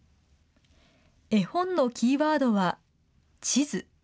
絵本のキーワードは地図。